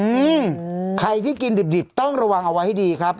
อืมใครที่กินดิบดิบต้องระวังเอาไว้ให้ดีครับ